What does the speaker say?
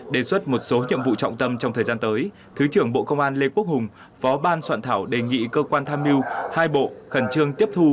đề xuất một số nhiệm vụ trọng tâm trong thời gian tới thứ trưởng bộ công an lê quốc hùng phó ban soạn thảo đề nghị cơ quan tham mưu hai bộ khẩn trương tiếp thu